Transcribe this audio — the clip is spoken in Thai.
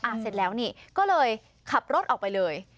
เสร็จแล้วนี่ก็เลยขับรถออกไปเลย